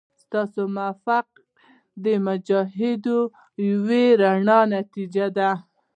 ستا موقف د مجاهدو یوه رڼه نتیجه ده.